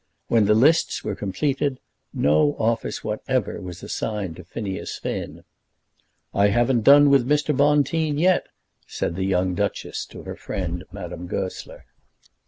When the lists were completed, no office whatever was assigned to Phineas Finn. "I haven't done with Mr. Bonteen yet," said the young duchess to her friend Madame Goesler.